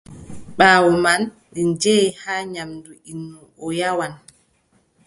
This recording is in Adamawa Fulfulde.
Ɓaawo man, ɗi njehi haa nyaamdu innu, o nyawan.